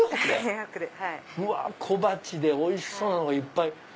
小鉢でおいしそうなのがいっぱい。